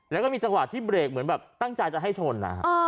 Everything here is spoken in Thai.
แล้วก็มีจังหวะที่เบรกเหมือนแบบตั้งใจจะให้ชนนะฮะ